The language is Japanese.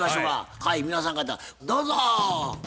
はい皆さん方どうぞ！